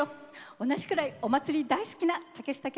同じくらいおまつり大好きな竹下景子です。